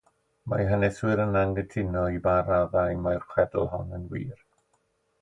Mae haneswyr yn anghytuno i ba raddau mae'r chwedl hon yn wir.